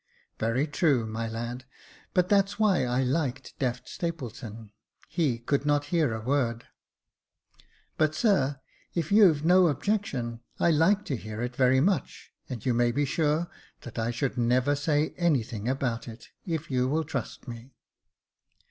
"Very true, my lad; but that's why I liked deaf Stapleton ; he could not hear a word." " But sir, if you've no objection, I like to hear it very much ; and you may be sure that I should never say any thing about it, if you will trust me."